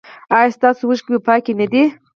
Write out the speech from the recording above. ایا ستاسو اوښکې پاکې نه دي؟